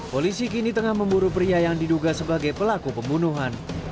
polisi kini tengah memburu pria yang diduga sebagai pelaku pembunuhan